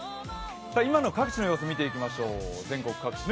今の各地の様子見ていきましょう。